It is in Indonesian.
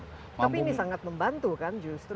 tapi ini sangat membantu kan justru